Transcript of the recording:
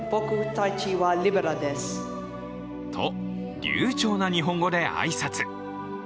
と流ちょうな日本語で挨拶。